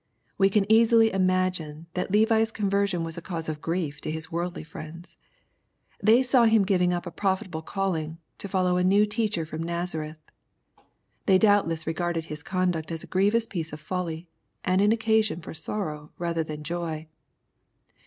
We can easily imagine that Levi's conversion was a cause of grief to his worldly friends. They saw him giving up a profitable calling, to follow a new teacher from Nazareth ! They doubtless regarded his conduct as a grievous piece of folly, and an occasion for sorrow rather than joy.